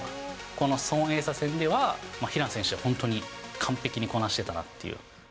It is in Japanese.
この孫穎莎戦では、平野選手は本当に完璧にこなしてたなっていう。